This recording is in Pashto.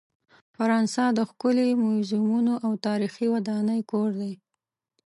فرانسه د ښکلې میوزیمونو او تاریخي ودانۍ کور دی.